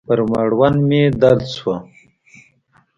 پر مړوندو مې درد سو.